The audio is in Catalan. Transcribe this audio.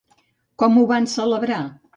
Com ho van celebrar?